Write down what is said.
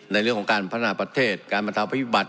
ในเรื่องของการพัฒนาประเทศการบรรเทาพิบัติ